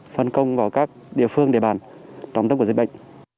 phân công vào các địa phương địa bàn trọng tâm của dịch bệnh